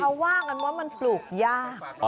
แต่พอว่างกันว่ามันปลูกยาก